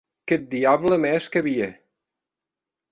Qu’eth diable me hesque a vier!